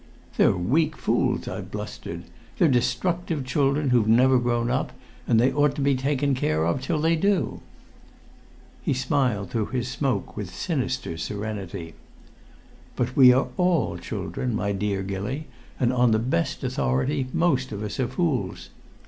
"They're weak fools," I blustered. "They're destructive children who've never grown up, and they ought to be taken care of till they do." He smiled through his smoke with sinister serenity. "But we all are children, my dear Gilly, and on the best authority most of us are fools.